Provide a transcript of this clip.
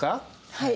はい。